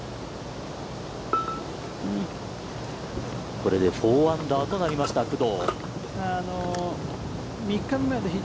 これで４アンダーとなりました工藤。